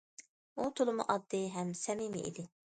ئۇ تولىمۇ ئاددىي ھەم سەمىمىي ئىدى.